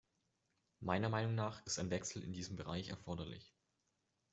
Meiner Meinung nach ist ein Wechsel in diesem Bereich erforderlich.